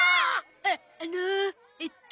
ああのえっと。